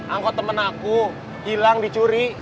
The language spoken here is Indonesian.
angkot temen aku hilang dicuri